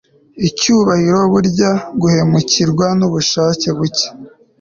Icyubahiro burya guhemukirwa nubushake buke